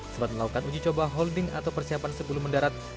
sempat melakukan uji coba holding atau persiapan sebelum mendarat